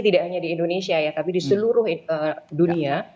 tidak hanya di indonesia ya tapi di seluruh dunia